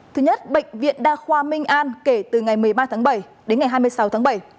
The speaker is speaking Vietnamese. thứ nhất bệnh viện đa khoa minh an kể từ ngày một mươi ba tháng bảy đến ngày hai mươi sáu tháng bảy